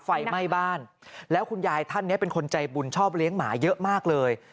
ไฟไหม้บ้านแล้วคุณยายท่านนี้เป็นคนใจบุญชอบเลี้ยงหมาเยอะมากเลย